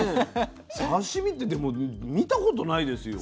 刺身ってでも見たことないですよ。